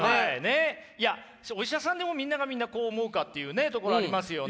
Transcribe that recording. いやお医者さんでもみんながみんなこう思うかっていうところありますよね。